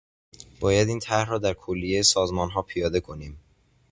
باید این طرح را در کلیهٔ سازمانها پیاده کنیم.